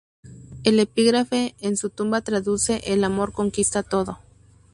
El epígrafe en su tumba traduce "El Amor conquista Todo".